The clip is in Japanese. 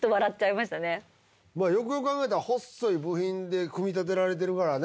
まあよくよく考えたら細い部品で組み立てられてるからね